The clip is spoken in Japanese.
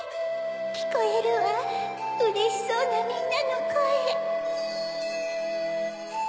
きこえるわうれしそうなみんなのこえ。